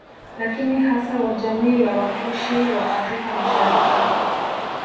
Lakini hasa wa jamii ya Wakushi wa Afrika Mashariki